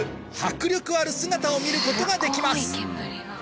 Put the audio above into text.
迫力ある姿を見ることができます